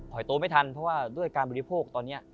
ยโตไม่ทันเพราะว่าด้วยการบริโภคตอนนี้